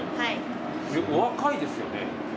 お若いですよね。